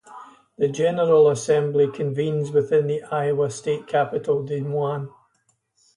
The General Assembly convenes within the Iowa State Capitol in Des Moines.